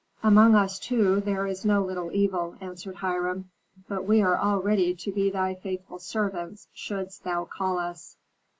"Among us, too, there is no little evil," answered Hiram; "but we are all ready to be thy faithful servants shouldst thou call us."